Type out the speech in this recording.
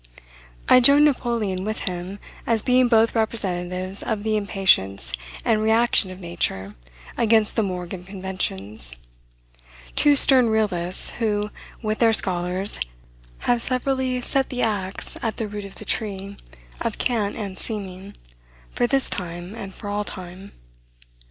I join Napoleon with him, as being both representatives of the impatience and reaction of nature against the morgue of conventions, two stern realists, who, with their scholars, have severally set the axe at the root of the tree of cant and seeming, for this time, and for all time.